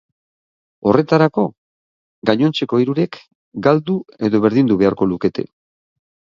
Horretarako, gainontzeko hirurek galdu edo berdindu beharko lukete.